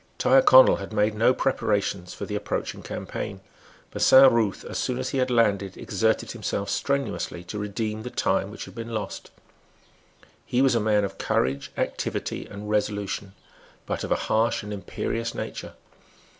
Tyrconnel had made no preparations for the approaching campaign. But Saint Ruth, as soon as he had landed, exerted himself strenuously to redeem the time which had been lost. He was a man of courage, activity and resolution, but of a harsh and imperious nature.